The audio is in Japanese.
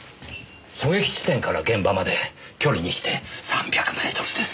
狙撃地点から現場まで距離にして３００メートルです。